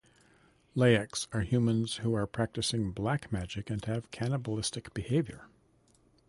Leyaks are humans who are practicing black magic and have cannibalistic behavior.